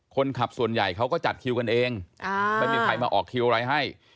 ส่วนใหญ่เขาก็จัดคิวกันเองไม่มีใครมาออกคิวอะไรให้